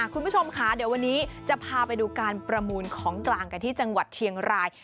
คุณผู้ชมค่ะเดี๋ยววันนี้จะพาไปดูการประมูลของกลางกันที่จังหวัดเชียงราย